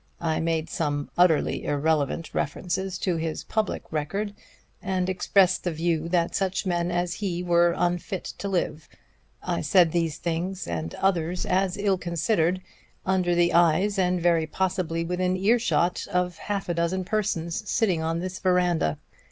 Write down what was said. I made some utterly irrelevant references to his public record, and expressed the view that such men as he were unfit to live. I said these things, and others as ill considered, under the eyes, and very possibly within earshot, of half a dozen persons sitting on this veranda.